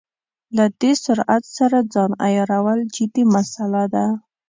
له دې سرعت سره ځان عیارول جدي مساله ده.